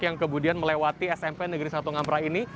yang kemudian melewati smp negeri satu ngamra ini